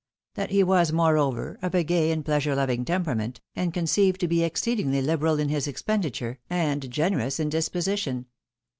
That he was, moreover, of a gay and pleasure loving temperament, and con ceived to be exceedingly hberal in his expenditure, and generous in disposition.